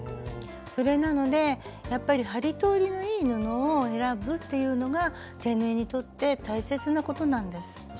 それなのでやっぱり針通りのいい布を選ぶっていうのが手縫いにとって大切なことなんです。